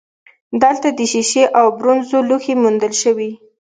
دلته د شیشې او برونزو لوښي موندل شوي